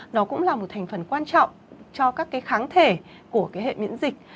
nó cũng là một thành phần quan trọng cho các cái kháng thể của cái hệ miễn dịch